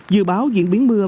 dự báo diễn biến mưa